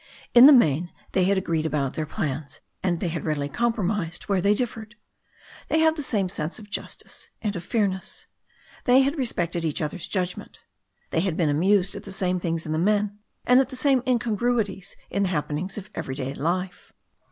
In the main they had agreed about their plans, and they had readily compromised where they differed. They had the same sense of justice and of fairness. They had respected each other's judgment. They had been amused at the same things in the men, at the same incongruities In the happenings of everyday life.